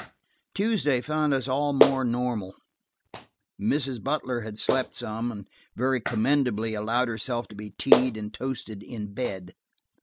Tuesday found us all more normal. Mrs. Butler had slept some, and very commendably allowed herself to be tea'd and toasted in bed.